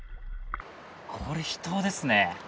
これは秘湯ですね。